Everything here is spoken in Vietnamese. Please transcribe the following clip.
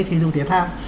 thí dụng thể thao